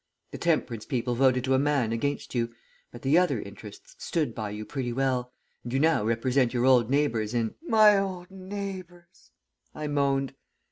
The temperance people voted to a man against you, but the other interests stood by you pretty well, and you now represent your old neighbours in ' "'My old neighbours,' I moaned.